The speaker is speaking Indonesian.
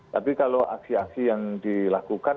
tapi kalau aksi aksi yang dilakukan